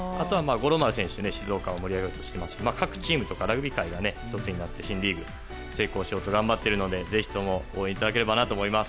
五郎丸選手が静岡を盛り上げようとしていましたがラグビー界が１つになって、新リーグを成功しようと頑張ってるのでぜひとも応援していただければと思います。